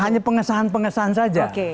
hanya pengesahan pengesahan saja